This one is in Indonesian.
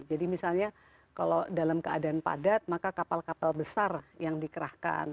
misalnya kalau dalam keadaan padat maka kapal kapal besar yang dikerahkan